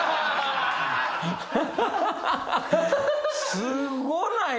すごない？